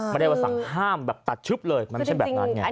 ไม่ได้ว่าสั่งห้ามแบบตัดชึบเลยมันไม่ใช่แบบนั้นไง